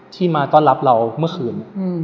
มาต้อนรับเราเมื่อคืน